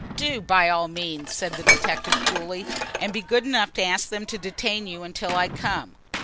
"Do, by all means," said the detective coolly, "and be good enough to ask them to detain you until I come."